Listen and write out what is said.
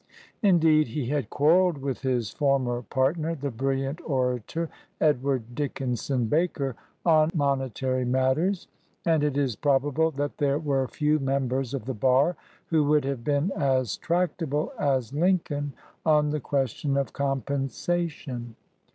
Indeed, he had quarreled with his former partner, the bril liant orator Edward Dickenson Baker, on mone tary matters; and it is probable that there were few members of the bar who would have been as tractable as Lincoln on the question of com pensation.